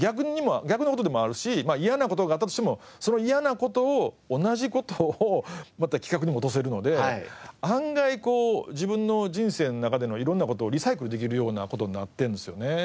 逆の事でもあるし嫌な事があったとしてもその嫌な事を同じ事をまた企画にも落とせるので案外自分の人生の中での色んな事をリサイクルできるような事になってるんですよね。